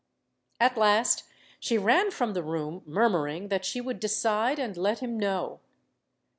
At last she ran from the room, murmuring that she would "decide and let him know."